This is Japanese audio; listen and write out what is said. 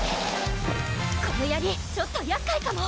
このやりちょっとやっかいかも！